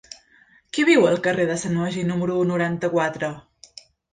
Qui viu al carrer de Sant Magí número noranta-quatre?